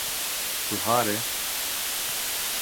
Bihar e.